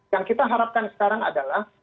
yang kita harapkan sekarang adalah